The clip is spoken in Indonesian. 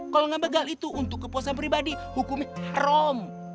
kalo ngebegal itu untuk kepuasan pribadi hukumnya haram